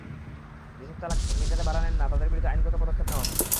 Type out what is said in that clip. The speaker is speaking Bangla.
যেসব চালক মিটারে ভাড়া নেন না, তাঁদের বিরুদ্ধে আইনগত পদক্ষেপ নেওয়া হচ্ছে।